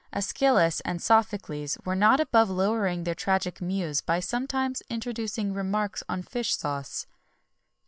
Æschylus and Sophocles were not above lowering their tragic muse by sometimes introducing remarks on fish sauce.